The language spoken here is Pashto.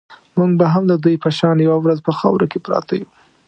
موږ به هم د دوی په شان یوه ورځ په خاورو کې پراته یو.